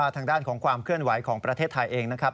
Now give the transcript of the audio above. ทางด้านของความเคลื่อนไหวของประเทศไทยเองนะครับ